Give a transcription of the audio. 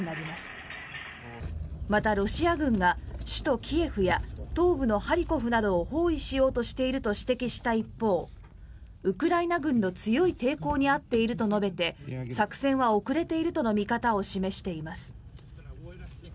また、ロシア軍が首都キエフや東部のハリコフなどを包囲しようとしていると指摘していた一方ウクライナ軍の強い抵抗に遭っていると述べて作戦は遅れているとの見方を示しています。